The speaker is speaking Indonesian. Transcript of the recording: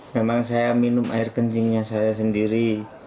memang saya minum air kencingnya saya sendiri